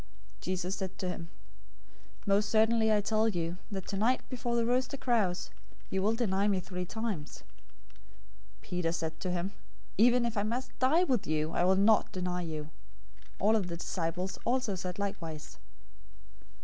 026:034 Jesus said to him, "Most certainly I tell you that tonight, before the rooster crows, you will deny me three times." 026:035 Peter said to him, "Even if I must die with you, I will not deny you." All of the disciples also said likewise.